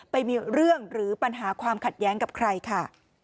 ไปมีเรื่องหรือปัญหาความขัดแย้งกับใครค่ะ